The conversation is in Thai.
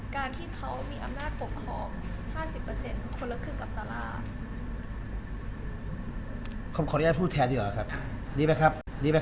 การที่เขามีอำนาจปกครอง๕๐คนละครึ่งกับตาราง